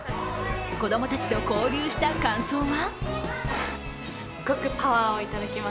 子供たちと交流した感想は？